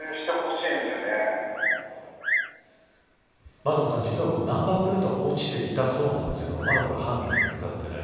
円香さん、実はナンバープレートが落ちていたそうなんですけどまだ犯人が見つかっていない。